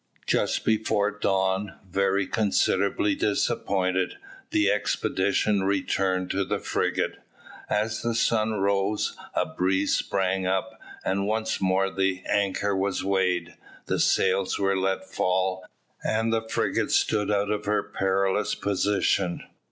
Just before dawn, very considerably disappointed, the expedition returned to the frigate. As the sun rose, a breeze sprang up, and once more the anchor was weighed, the sails were let fall, and the frigate stood out of her perilous position.